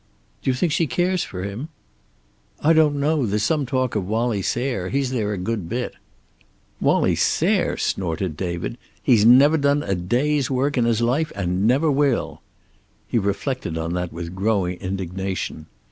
"Do you think she cares for him?" "I don't know. There's some talk of Wallie Sayre. He's there a good bit." "Wallie Sayre!" snorted David. "He's never done a day's work in his life and never will." He reflected on that with growing indignation.